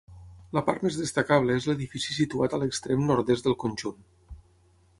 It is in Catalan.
La part més destacable és l'edifici situat a l'extrem nord-est del conjunt.